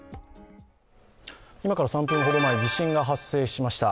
今から３分ほど前、地震が発生しました。